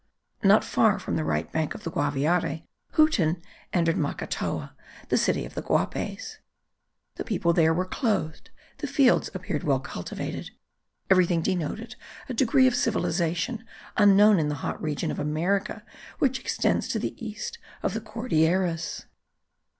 Not far from the right bank of the Guaviare, Huten entered Macatoa, the city of the Guapes. The people there were clothed, the fields appeared well cultivated; everything denoted a degree of civilization unknown in the hot region of America which extends to the east of the Cordilleras.